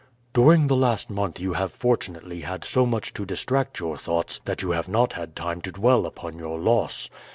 "During the last month you have fortunately had so much to distract your thoughts that you have not had time to dwell upon your loss.